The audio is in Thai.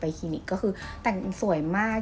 คลินิกก็คือแต่งสวยมาก